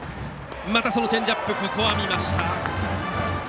またチェンジアップここは見ました。